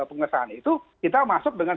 pengesahan itu kita masuk dengan